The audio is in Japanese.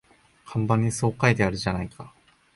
看板にそう書いてあるじゃないか